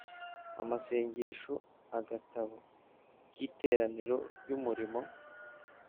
amasengesho Agatabo k Iteraniro ry Umurimo